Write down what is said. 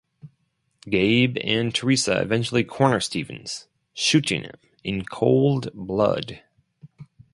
Gabe and Teresa eventually corner Stevens, shooting him in cold blood.